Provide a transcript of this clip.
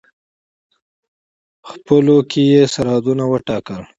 خپلو کې یې سرحدونه وټاکل.